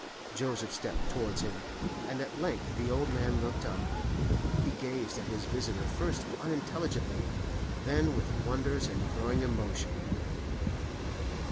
Joseph stepped towards him, and at length the old man looked up. He gazed at his visitor first unintelligently, then with wonder and growing emotion.